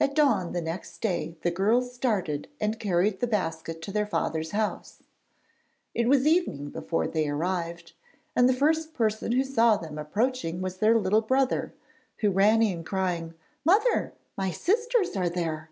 At dawn the next day the girls started and carried the basket to their father's house. It was evening before they arrived, and the first person who saw them approaching was their little brother, who ran in, crying, 'Mother, my sisters are there.'